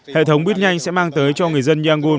hệ thống buýt nhanh sẽ mang tới cho người dân yangon